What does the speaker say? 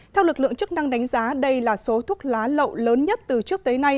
theo lực lượng chức năng đánh giá đây là số thuốc lá lậu lớn nhất từ trước tới nay